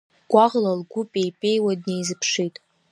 Гәаӷла лгәы пеипеиуа днеизыԥшит.